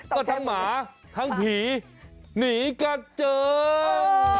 ก็ทั้งหมาทั้งผีหนีกระเจิง